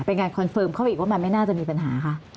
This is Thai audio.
เป็นงานคอนเฟิร์มเข้าไปอีกว่ามันไม่น่าจะมีปัญหาคะ